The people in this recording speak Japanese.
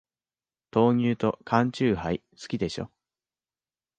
豆乳と缶チューハイ、好きでしょ。